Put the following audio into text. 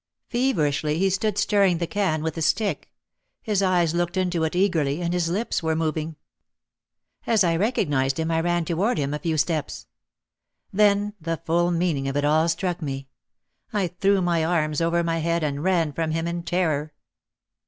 Feverishly he stood stirring the can with a stick. His eyes looked into it eagerly, and his lips were moving. As I recognised him I ran toward him a few steps. Then the full meaning of it all struck me. I threw my arms over my head and ran from him in terror.